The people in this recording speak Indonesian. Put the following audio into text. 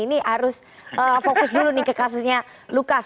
ini harus fokus dulu nih ke kasusnya lukas